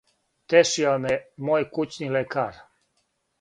тешио ме је мој кућни лекар